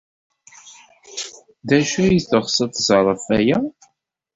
D acu ay teɣs ad t-tẓer ɣef waya?